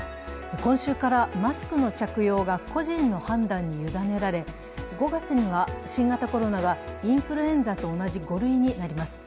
今週からマスクの着用が個人の判断にゆだねられ、５月には新型コロナがインフルエンザと同じ５類になります。